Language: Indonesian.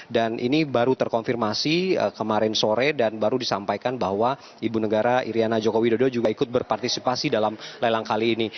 dan ini baru terkonfirmasi kemarin sore dan baru disampaikan bahwa ibu negara iryana jokowi dodo juga ikut berpartisipasi dalam lelang kali ini